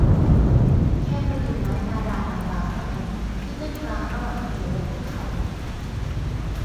แค่ประตูไม้ตารางบาง ๆ เท่านั้น ที่กั้นกลางระหว่างเธอและพวกเขา